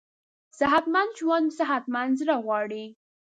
صحتمند ژوند صحتمند زړه غواړي.